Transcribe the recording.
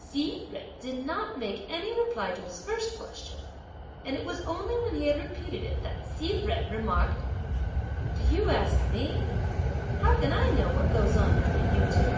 Hsi Jen did not make any reply to his first question, and it was only when he had repeated it that Hsi Jen remarked: "Do you ask me? How can I know what goes on between you two?"